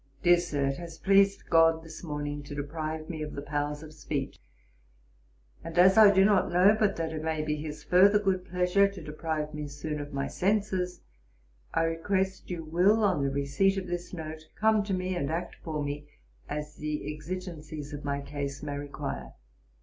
DEAR SIR, It has pleased GOD, this morning, to deprive me of the powers of speech; and as I do not know but that it may be his further good pleasure to deprive me soon of my senses, I request you will on the receipt of this note, come to me, and act for me, as the exigencies of my case may require.